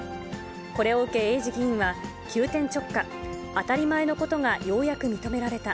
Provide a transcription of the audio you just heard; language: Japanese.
これを受け、エイジ議員は、急転直下、当たり前のことがようやく認められた。